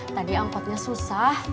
tadi angkotnya susah